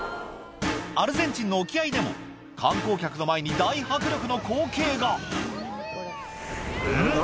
アルゼンチンの沖合でも観光客の前に大迫力の光景がうん？